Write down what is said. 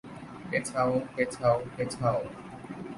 পেছাও, পেছাও, পেছাও!